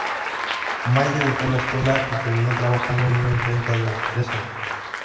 Mayo dejó la escuela y terminó trabajando en una imprenta durante tres años.